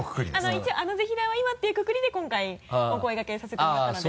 一応「あのぜひらーは今」っていうくくりで今回お声がけさせてもらったので。